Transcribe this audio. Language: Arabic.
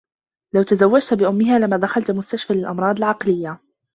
لو تزوّجت بأمّها لما دخلت مستشفى للأمراض العقليّة.